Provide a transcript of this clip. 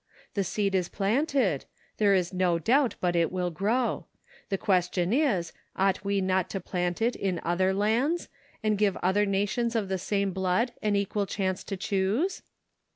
The seed is planted ; there is no doubt but it will grow; the question is, ought we not to plant it in other lands, and give other nations of the same blood an equal chance to choose